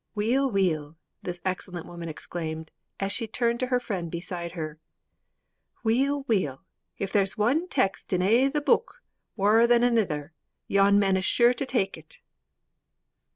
_' 'Weel, weel,' this excellent woman exclaimed, as she turned to her friend beside her, '_weel, weel, if there's one text in a' the Buik waur than anither, yon man is sure to tak' it!